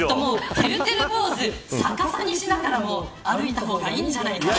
てるてる坊主、逆さにしながら歩いた方がいいんじゃないかな。